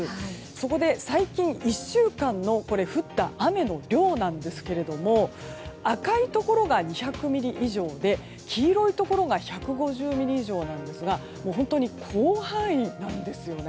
そこで、最近１週間の降った雨の量なんですが赤いところが２００ミリ以上で黄色いところが１５０ミリ以上なんですが本当に広範囲なんですよね。